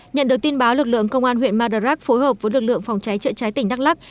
nhận được tin báo lực lượng công an huyện mờ trắc phối hợp với lực lượng phòng cháy trợ cháy tỉnh đắk lắk